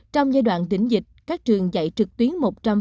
trong giai đoạn tỉnh dịch các trường dạy trực tuyến một trăm linh